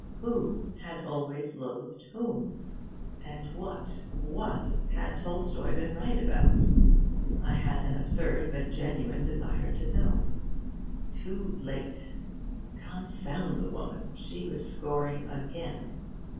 Who had always loathed whom? And what, what, had Tolstoi been right about? I had an absurd but genuine desire to know. Too late! Confound the woman! she was scoring again.